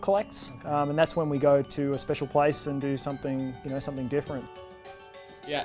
dan itu saat kita pergi ke tempat spesial dan melakukan sesuatu yang berbeda